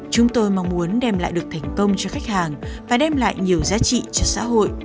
chúng tôi mong muốn đem lại được thành công cho khách hàng và đem lại nhiều giá trị cho xã hội